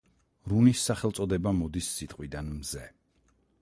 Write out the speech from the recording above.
რუნის სახელწოდება მოდის სიტყვიდან „მზე“.